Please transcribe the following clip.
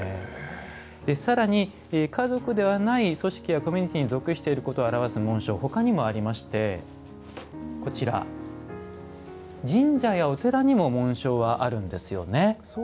さらに、家族ではない組織やコミュニティーに属しているものを表している紋章他にもありまして神社やお寺にも紋章があるんですよね。